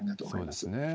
そうですね。